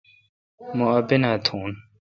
مو اپینا تھون۔